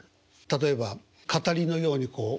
例えば語りのようにこう。